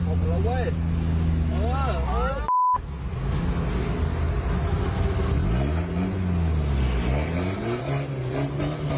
คุณดีมาแล้วเลยะเอาวะ